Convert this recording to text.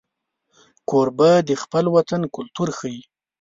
کوربه د خپل وطن کلتور ښيي.